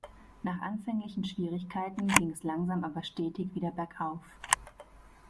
Nach anfänglichen Schwierigkeiten ging es langsam aber stetig wieder bergauf.